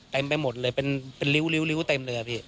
ไปหมดเลยเป็นริ้วเต็มเลยอะพี่